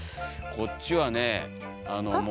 こっちはねあの。